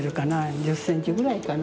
１０センチぐらいかな。